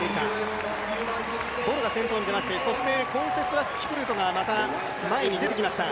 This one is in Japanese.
ボルが先頭に出ましてコンセスラス・キプルトがまた前に出てきました。